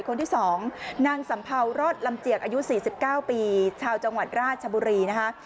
คนที่๒นางสัมเภารอดลำเจียกอายุ๔๙ปีชาวจังหวัดราชบุรีนะคะ